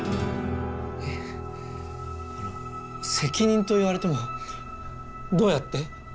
えあの責任と言われてもどうやって？